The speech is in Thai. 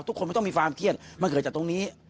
ทุกคนไม่ต้องมีความเครียดมันเกิดจากตรงนี้